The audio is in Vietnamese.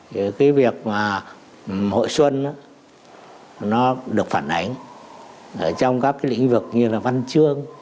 thì cái việc mà hội xuân nó được phản ánh trong các cái lĩnh vực như là văn chương